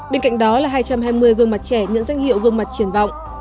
bên cạnh đó là hai trăm hai mươi gương mặt trẻ nhận danh hiệu gương mặt triển vọng